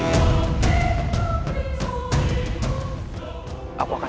aku akan segera kembali